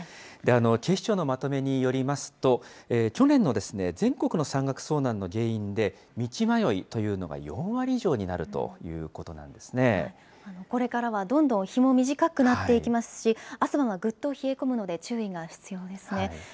警視庁のまとめによりますと、去年の全国の山岳遭難の原因で、道迷いというのが４割以上になるとこれからはどんどん日も短くなっていきますし、朝晩はぐっと冷え込むので注意が必要ですね。